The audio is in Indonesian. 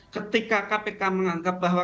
ketika kpk menganggap bahwa